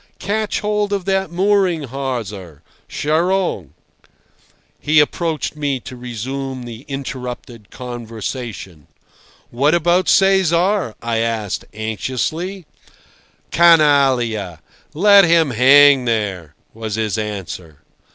"Catch hold of that mooring hawser—charogne!" He approached me to resume the interrupted conversation. "What about Cesar?" I asked anxiously. "Canallia! Let him hang there," was his answer.